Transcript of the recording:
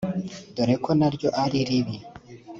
dore ko na ryo ari ribi